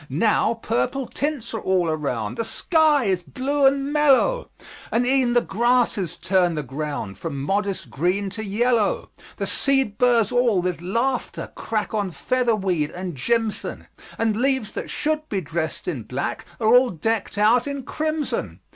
Now purple tints are all around; The sky is blue and mellow; And e'en the grasses turn the ground From modest green to yellow. The seed burrs all with laughter crack On featherweed and jimson; And leaves that should be dressed in black Are all decked out in crimson.